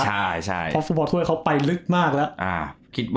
ใช่เพราะฟุตบอลถ้วยเขาไปลึกมากแล้ว